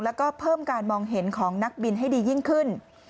แล้วก็เพิ่มการมองเห็นของนักบินให้ดียิ่งขึ้น